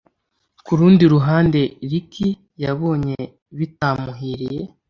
Kurundi ruhande Rick yabonye bitamuhiriye